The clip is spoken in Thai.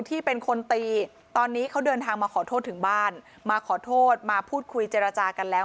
ที่เป็นคนตีตอนนี้เขาเดินทางมาขอโทษถึงบ้านมาขอโทษมาพูดคุยเจรจากันแล้ว